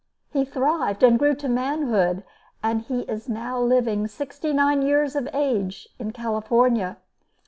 He thrived and grew to manhood and he is now living, sixty nine years of age, in California.